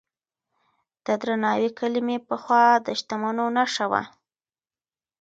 د درناوي کلمې پخوا د شتمنو نښه وه.